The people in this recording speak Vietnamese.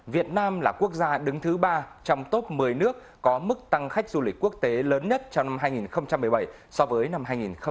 việt nam là quốc gia đứng thứ ba trong top một mươi nước có mức tăng khách du lịch quốc tế lớn nhất trong năm hai nghìn một mươi bảy so với năm hai nghìn một mươi bảy